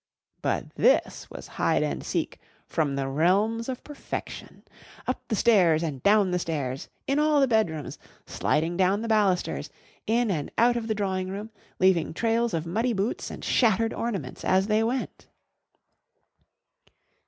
But this was Hide and Seek from the realms of perfection. Up the stairs and down the stairs, in all the bedrooms, sliding down the balusters, in and out of the drawing room, leaving trails of muddy boots and shattered ornaments as they went!